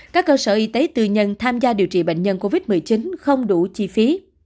các cơ sở y tế tư nhân tham gia điều trị bệnh nhân covid một mươi chín không đủ chi phí